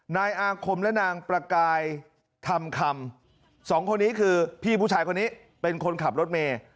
นายอาคมและนางประกายธรรมคำสองคนนี้คือพี่ผู้ชายคนนี้เป็นคนขับรถเมย์